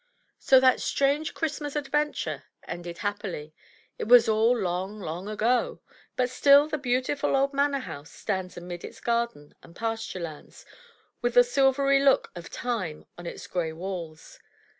So that strange Christmas adventure ended happily. It was all long, long ago. But still the beautiful old manor house stands amid its gardens and pasture lands, with the silvery look of time on its gray walls.